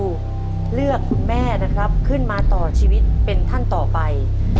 เลือกคุณแม่นะครับขึ้นมาต่อชีวิตเป็นท่านต่อไป